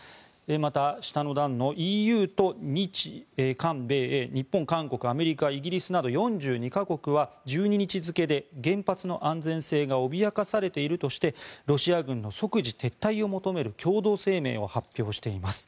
また、下の段のＥＵと日韓米英日本、韓国アメリカ、イギリスなど４２か国は１２日付で原発の安全性が脅かされているとしてロシア軍の即時撤退を求める共同声明を発表しています。